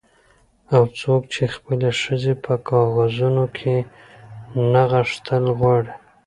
او څوک چې خپلې ښځې په کاغذونو کې نغښتل غواړي